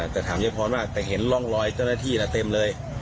แต่ถามยายพรว่าแต่เห็นร่องรอยเจ้าหน้าที่ละเต็มเลย